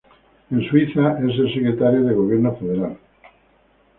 En Suiza, es el secretario del Gobierno federal.